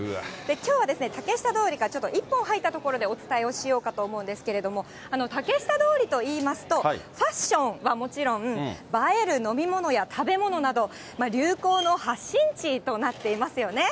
きょうは竹下通りからちょっと１本入った所でお伝えをしようかと思うんですけれども、竹下通りといいますと、ファッションはもちろん、映える飲み物や食べ物など、流行の発信地となっていますよね。